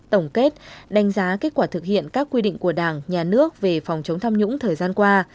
tổng kết đánh giá kết quả thực hiện các quy định của đảng nhà nước về phòng chống tham nhũng thời gian qua